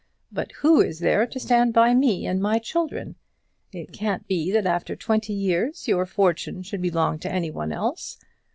But who is there to stand by me and my children? It can't be that after twenty years your fortune should belong to anyone else.